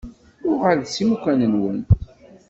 Uɣalet s imukan-nwen.